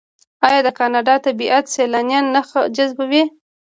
آیا د کاناډا طبیعت سیلانیان نه جذبوي؟